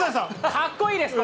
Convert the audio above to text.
かっこいい？